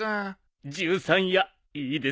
十三夜いいですね。